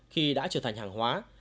khi đã trở thành hàng hóa